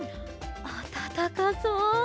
あたたかそう！